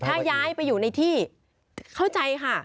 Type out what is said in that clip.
ถ้าย้ายไปอยู่ในที่เข้าใจค่ะ